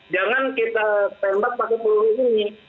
jangan kita tembak pakai peluru ini